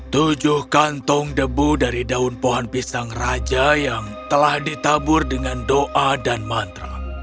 tujuh kantong debu dari daun pohon pisang raja yang telah ditabur dengan doa dan mantra